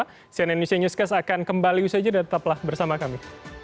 cnn indonesia newscast akan kembali usai jeda tetaplah bersama kami